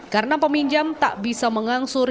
karena peminjam tak bisa mengangsur